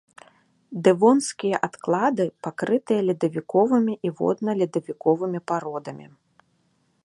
Дэвонскія адклады пакрытыя ледавіковымі і водна-ледавіковымі пародамі.